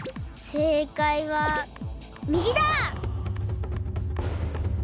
せいかいはみぎだ！